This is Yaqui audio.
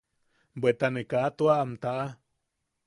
Bweta ne kaa tua am taʼa.